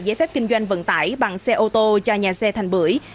giấy phép kinh doanh vận tải bằng xe ô tô cho nhà xe thành bưởi